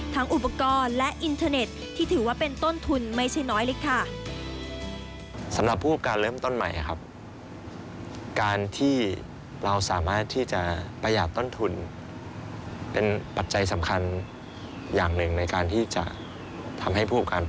อุปกรณ์และอินเทอร์เน็ตที่ถือว่าเป็นต้นทุนไม่ใช่น้อยเลยค่ะ